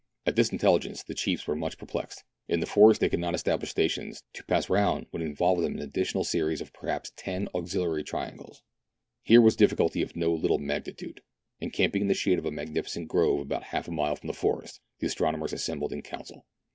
At this intelligence the chiefs were much perplexed. In the forest they could not establish stations ; to pass round would involve them in an additional series of perhaps ten auxiliary triangles. Here was a difficulty of no little magnitude. Encamping in the shade of a magnificent grove about half a mile from the forest, the astronomers assembled in council.